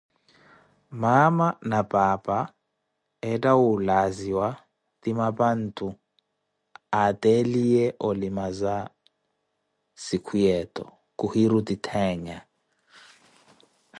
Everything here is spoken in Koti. Maama na paapa etta wuulaziwa, ti amapantu, etteliye olimaza sikuya eto, kuhiruti ttheenya.